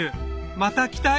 また来たい！